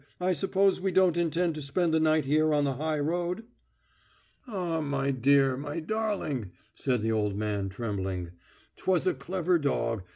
I suppose we don't intend to spend the night here on the high road?" "Ah, my dear, my darling," said the old man, trembling. "'Twas a clever dog